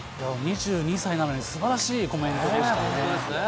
２２歳なのにすばらしいコメントでしたね。